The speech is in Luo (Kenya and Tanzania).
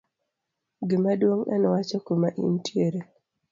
gimaduong' en wacho kuma intiere